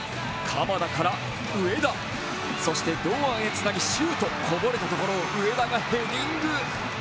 鎌田から上田そして堂安へつなぎシュートこぼれたところを上田がヘディング。